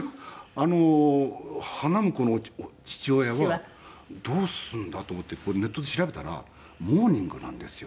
花婿の父親はどうするんだと思ってネットで調べたらモーニングなんですよ。